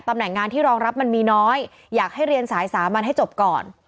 แหน่งงานที่รองรับมันมีน้อยอยากให้เรียนสายสามัญให้จบก่อน